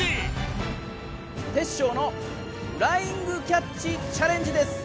テッショウのフライングキャッチチャレンジです。